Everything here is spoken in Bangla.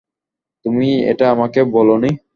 তুমি এটা আমাকে বলোনি।